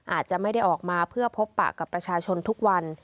อาจจะไม่ได้ออกมาเพื่อพบปะกับประชาชนทุกวัน